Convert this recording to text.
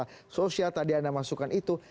media sosial tadi anda masukkan itu